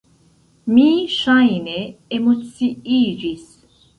Mi, ŝajne, emociiĝis.